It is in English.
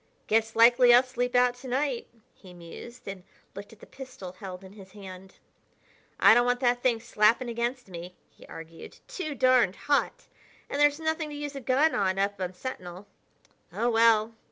"Guess likely I'll sleep out to night," he mused and looked at the pistol he held in his hand. "I don't want that thing slapping against me," he argued; "too darned hot! And there's nothing to use a gun on up on Sentinel.... Oh, well!"